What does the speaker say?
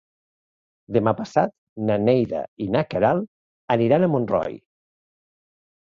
Demà passat na Neida i na Queralt aniran a Montroi.